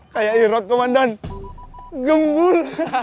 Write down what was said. kayak erot komandan gembul